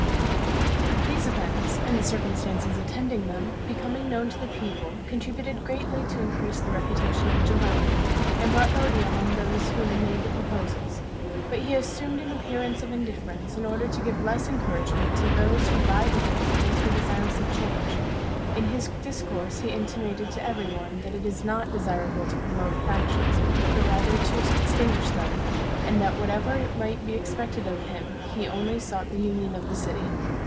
These events, and the circumstances attending them, becoming known to the people, contributed greatly to increase the reputation of Giovanni, and brought odium on those who had made the proposals; but he assumed an appearance of indifference, in order to give less encouragement to those who by his influence were desirous of change. In his discourse he intimated to every one that it is not desirable to promote factions, but rather to extinguish them; and that whatever might be expected of him, he only sought the union of the city.